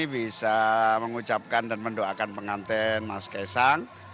bisa mengucapkan dan mendoakan pengantin mas kaisang